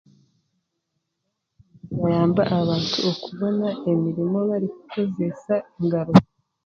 muyamabe abantu kubona emirimo barikukoresa engaro